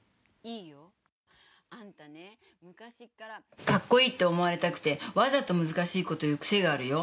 あんたね、昔からカッコイイって思われたくてわざと難しいこと言う癖があるよ。